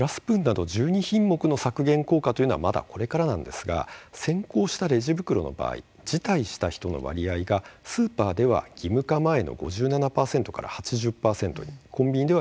またプラスプーンなど１２品目の削減効果というのは、まだこれからですが先行したレジ袋の場合辞退した人の割合がスーパーでは義務化前の５７％から８０％